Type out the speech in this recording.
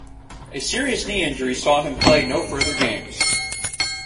A serious knee injury saw him play no further games.